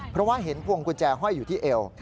เพราะว่าเห็นพวงกุญแจห้อยอยู่ที่เอว